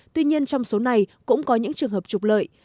tuy nhiên trong số này cũng có những trường hợp trục lợi